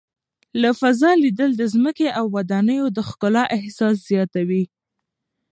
له فضا لیدل د ځمکې او ودانیو د ښکلا احساس زیاتوي.